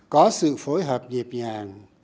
có sự phối hợp nhịp nhàng